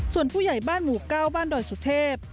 ส่วนผู้ใหญ่บ้านหมู่๙บ้านดอยสุเทพ